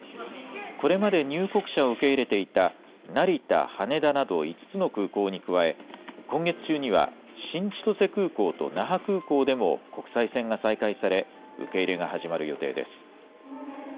これまで入国者を受け入れていた成田、羽田など５つの空港に加え、今月中には、新千歳空港と那覇空港でも国際線が再開され、受け入れが始まる予定です。